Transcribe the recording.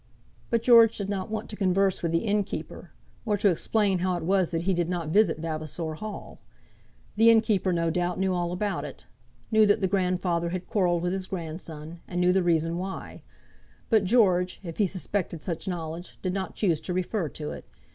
But George did not want to converse with the innkeeper, or to explain how it was that he did not visit Vavasor Hall. The innkeeper, no doubt, knew all about it, knew that the grandfather had quarrelled with his grandson, and knew the reason why; but George, if he suspected such knowledge, did not choose to refer to it.